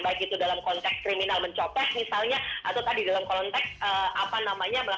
baik itu dalam konteks kriminal mencopek misalnya atau tadi dalam konteks apa namanya